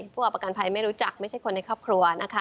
ผู้เอาประกันภัยไม่รู้จักไม่ใช่คนในครอบครัวนะคะ